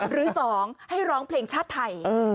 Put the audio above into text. หรือ๒ให้ร้องเพลงชาติไทย